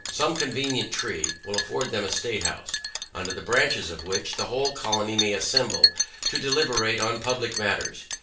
Some convenient tree will afford them a State House, under the branches of which, the whole colony may assemble to deliberate on public matters.